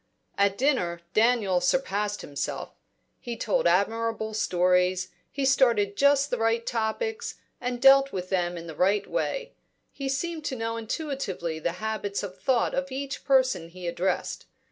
At dinner, Daniel surpassed himself. He told admirable stories, he started just the right topics, and dealt with them in the right way; he seemed to know intuitively the habits of thought of each person he addressed.